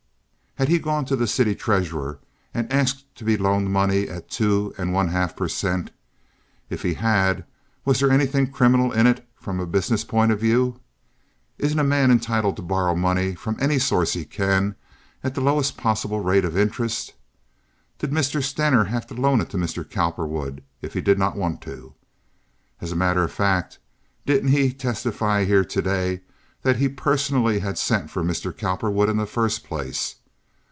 Had he gone to the city treasurer and asked to be loaned money at two and one half per cent.? If he had, was there anything criminal in it from a business point of view? Isn't a man entitled to borrow money from any source he can at the lowest possible rate of interest? Did Mr. Stener have to loan it to Mr. Cowperwood if he did not want to? As a matter of fact didn't he testify here to day that he personally had sent for Mr. Cowperwood in the first place?